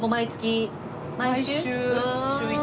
毎週。